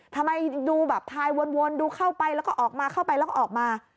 ทำไมดูแบบทายวนดูเข้าไปแล้วก็ออกมาเข้าไปแล้วก็ออกมา